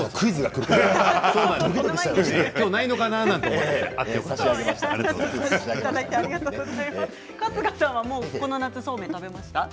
春日さんもこの夏、そうめん食べましたか。